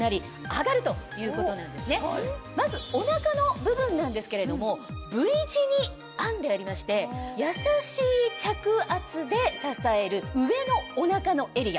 まずお腹の部分なんですけれどもＶ字に編んでありまして優しい着圧で支える上のお腹のエリア。